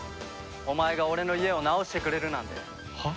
お前が俺の家を直してくれるなんて。は？